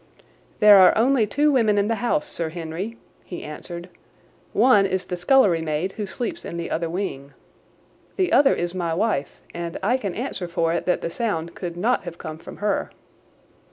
"There are only two women in the house, Sir Henry," he answered. "One is the scullery maid, who sleeps in the other wing. The other is my wife, and I can answer for it that the sound could not have come from her."